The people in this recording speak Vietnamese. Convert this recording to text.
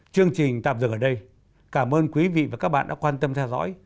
chương trình tạm dừng ở đây cảm ơn quý vị và các bạn đã quan tâm theo dõi